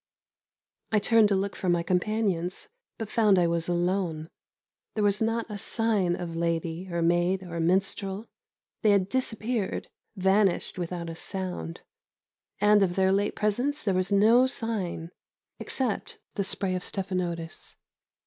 I turned to look for my companions, but found I was alone. There was not a sign of lady, or maid, or minstrel. They had disappeared, vanished without a sound; and, of their late presence, there was no sign except the spray of stephanotis.